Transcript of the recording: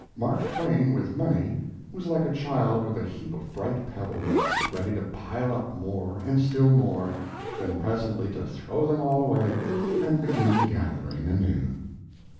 Mark Twain with money was like a child with a heap of bright pebbles, ready to pile up more and still more, then presently to throw them all away and begin gathering anew.